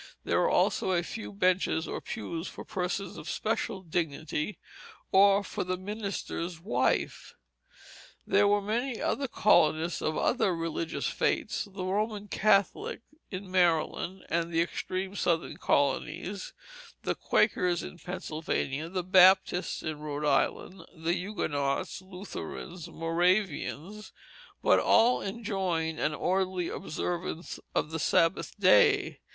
There were also a few benches or pews for persons of special dignity, or for the minister's wife. There were many other colonists of other religious faiths: the Roman Catholics in Maryland and the extreme Southern colonies; the Quakers in Pennsylvania; the Baptists in Rhode Island; the Huguenots, Lutherans, Moravians; but all enjoined an orderly observance of the Sabbath day.